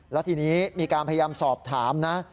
แล้วทีนี้มีการพยายามสอบถามนะ